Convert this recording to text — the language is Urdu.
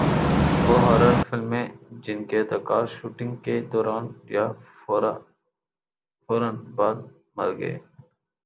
وہ ہارر فلمیں جن کے اداکار شوٹنگ کے دوران یا فورا بعد مر گئے